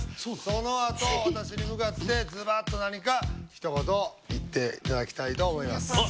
そのあと私に向かってずばっと何かひと言言っていただきたいと思います。